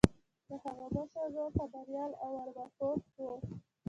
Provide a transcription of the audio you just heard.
د هغه مشر ورور خبریال او ارواپوه و